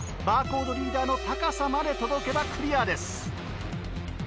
バーコードリーダーの高さまで届けばクリアです。